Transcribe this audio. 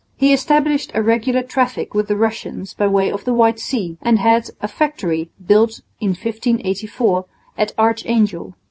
He established a regular traffic with the Russians by way of the White Sea, and had a factory (built in 1584) at Archangel.